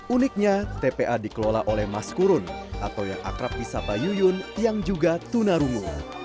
uniknya tpa dikelola oleh mas kurun atau yang akrab di sapa yuyun yang juga tunarungu